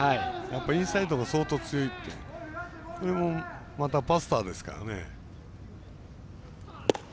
インサイドが相当強いってそれもまたバスターですからね。